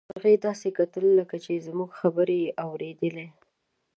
مرغۍ داسې کتل لکه چې زموږ خبرې يې اوريدلې.